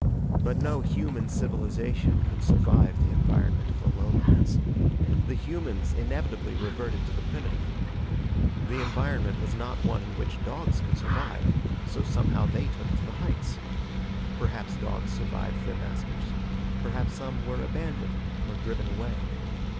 But no human civilization could survive the environment of the lowlands. The humans inevitably reverted to the primitive. The environment was not one in which dogs could survive, so somehow they took to the heights. Perhaps dogs survived their masters. Perhaps some were abandoned or driven away.